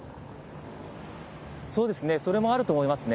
そうですね、それもあると思いますね。